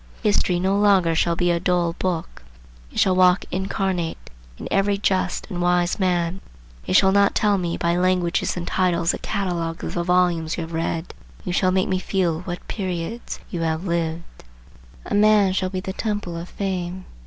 History no longer shall be a dull book. It shall walk incarnate in every just and wise man. You shall not tell me by languages and titles a catalogue of the volumes you have read. You shall make me feel what periods you have lived. A man shall be the Temple of Fame.